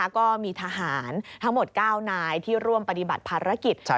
ก็มีทหารทั้งหมด๙นายที่ร่วมปฏิบัติภารกิจ